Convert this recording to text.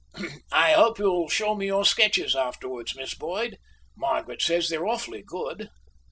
"I hope you'll show me your sketches afterwards, Miss Boyd. Margaret says they're awfully good."